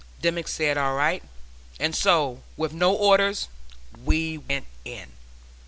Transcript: Dimmick said all right and so, with no orders, we went in."